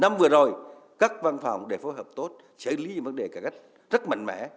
năm vừa rồi các văn phòng đều phối hợp tốt xử lý những vấn đề cải cách rất mạnh mẽ